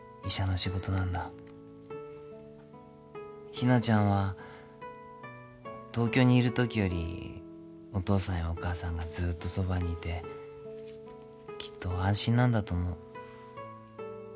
ひなちゃんは東京にいるときよりお父さんやお母さんがずーっとそばにいてきっと安心なんだと思う。